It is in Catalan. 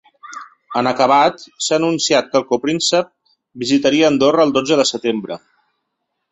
En acabat, s’ha anunciat que el copríncep visitaria Andorra el dotze de setembre.